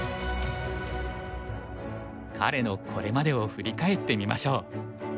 彼のこれまでを振り返ってみましょう。